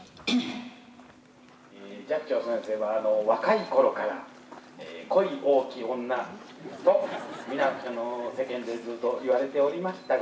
寂聴先生は若い頃から恋多き女と世間でずっと言われておりましたが今は？